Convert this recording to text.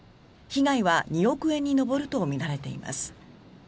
被害は２億円に上るとみられています。